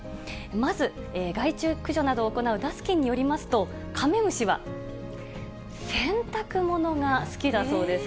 まず、害虫駆除などを行うダスキンによりますと、カメムシは洗濯物が好きだそうです。